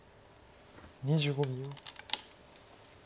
２５秒。